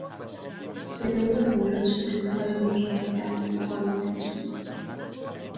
صدای غرش توپهای دشمن در کوهها میپیچید.